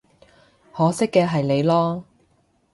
可惜嘅係你囉